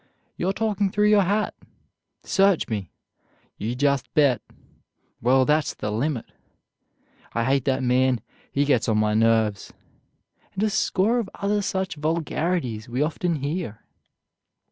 "You're talking through your hat"; "Search me"; "You just bet"; "Well, that's the limit"; "I hate that man; he gets on my nerves," and a score of other such vulgarities we often hear.